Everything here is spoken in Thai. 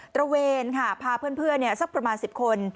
ระเวนค่ะพาเพื่อนสักประมาณ๑๐คน